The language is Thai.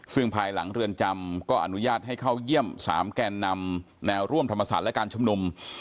ซึ่งภายหลังเรือนจำก็อนุญาตให้เข้าเยี่ยม๓แกนนำแนวร่วมธรรมศาสตร์และการชุมนุม